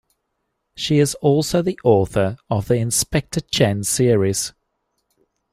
She is also the author of the Inspector Chen series.